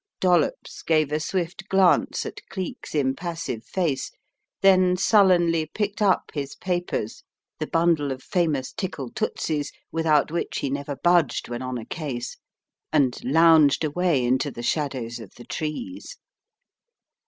Dollops gave a swift glance at Cleek's impassive face, then sullenly picked up his papers, the bundle of famous "tickle tootsies" without which he never budged when on a case, and lounged away into the shadows of the trees.